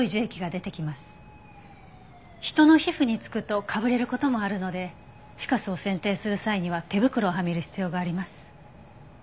人の皮膚に付くとかぶれる事もあるのでフィカスを剪定する際には手袋をはめる必要があります。